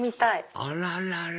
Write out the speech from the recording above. あらららら！